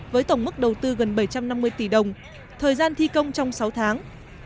với tổng mức đầu tư gần bảy trăm năm mươi tỷ đồng thời gian thi công trong sáu tháng